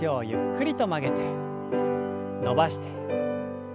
伸ばして。